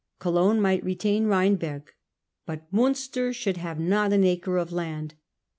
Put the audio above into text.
Cologne might retain Rhynberg. But Munster should have not an acre of land.